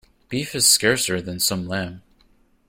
Beef is scarcer than some lamb.